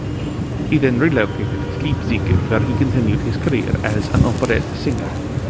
He then relocated to Leipzig where he continued his career as an operetta singer.